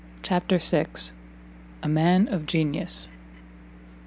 CHAPTER vi A MAN OF GENIUS.